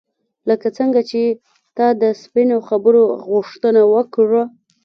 لکه څنګه چې تا د سپینو خبرو غوښتنه وکړه.